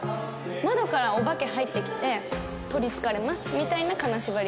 窓からお化け入ってきて取りつかれますみたいな金縛りに遭う。